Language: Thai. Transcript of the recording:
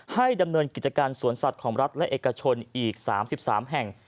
ดำเนินกิจการสวนสัตว์ของรัฐและเอกชนอีก๓๓แห่ง